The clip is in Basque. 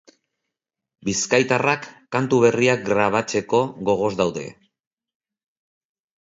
Bizkaitarrak kantu berriak grabatzeko gogoz daude.